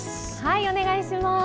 お願いします。